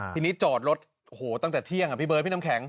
ทีนี้จอดรถโอ้โหตั้งแต่เที่ยงอ่ะพี่เบิร์ดพี่น้ำแข็ง